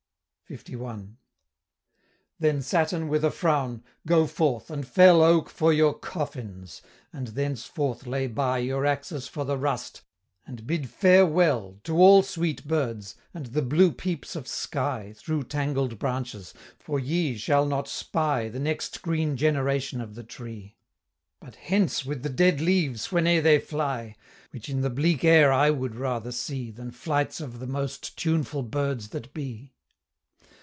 LI. Then Saturn, with a frown: "Go forth, and fell Oak for your coffins, and thenceforth lay by Your axes for the rust, and bid farewell To all sweet birds, and the blue peeps of sky Through tangled branches, for ye shall not spy The next green generation of the tree; But hence with the dead leaves, whene'e they fly, Which in the bleak air I would rather see, Than flights of the most tuneful birds that be."